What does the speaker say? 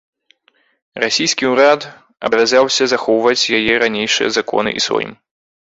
Расійскі ўрад абавязаўся захоўваць яе ранейшыя законы і сойм.